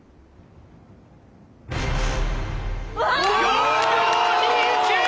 ４秒２９！